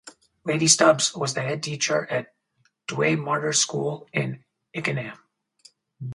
Lady Stubbs was the headteacher at Douay Martyrs School in Ickenham.